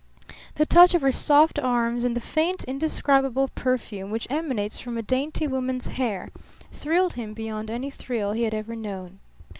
The touch of her soft arms and the faint, indescribable perfume which emanates from a dainty woman's hair thrilled him beyond any thrill he had ever known.